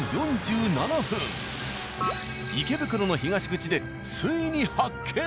池袋の東口でついに発見。